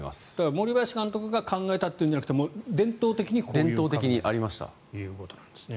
森林監督が考えたというんじゃなくて伝統的にこういうのがあるということなんですね。